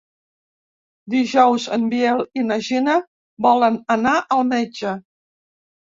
Dijous en Biel i na Gina volen anar al metge.